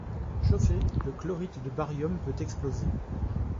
Chauffé, le chlorite de baryum peut exploser.